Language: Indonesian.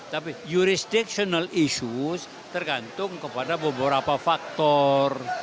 tapi jurisdictional issues tergantung kepada beberapa faktor